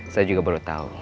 saya juga baru tahu